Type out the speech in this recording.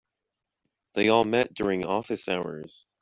They all met during office hours.